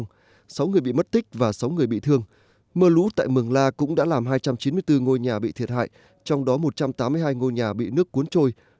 trong sáu người bị mất tích và sáu người bị thương mưa lũ tại mường la cũng đã làm hai trăm chín mươi bốn ngôi nhà bị thiệt hại trong đó một trăm tám mươi hai ngôi nhà bị nước cuốn trôi